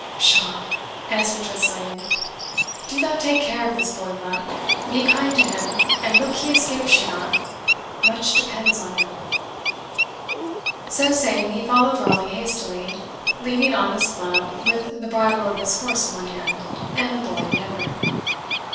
"Pshaw!" answered Tressilian; "do thou take care of this boy, Blount; be kind to him, and look he escapes you not much depends on him." So saying, he followed Raleigh hastily, leaving honest Blount with the bridle of his horse in one hand, and the boy in the other.